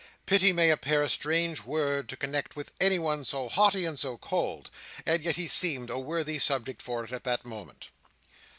Pity may appear a strange word to connect with anyone so haughty and so cold, and yet he seemed a worthy subject for it at that moment.